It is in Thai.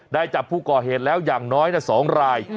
จับผู้ก่อเหตุแล้วอย่างน้อย๒ราย